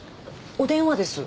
お電話です。